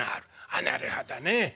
「あっなるほどねえ。